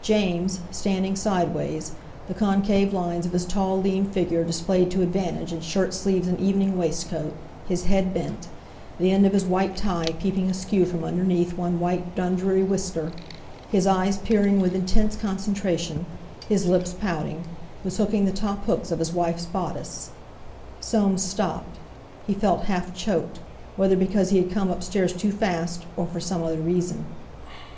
James, standing sideways, the concave lines of his tall, lean figure displayed to advantage in shirt sleeves and evening waistcoat, his head bent, the end of his white tie peeping askew from underneath one white Dundreary whisker, his eyes peering with intense concentration, his lips pouting, was hooking the top hooks of his wife's bodice. Soames stopped; he felt half choked, whether because he had come upstairs too fast, or for some other reason.